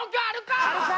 あるか！